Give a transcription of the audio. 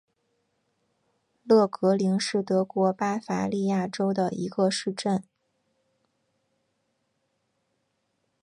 勒格灵是德国巴伐利亚州的一个市镇。